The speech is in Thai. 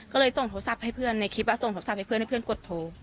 ก็เลยส่งโทรศัพท์ให้เพื่อนในคลิปส่งโทรศัพท์ให้เพื่อนให้เพื่อนกดโทร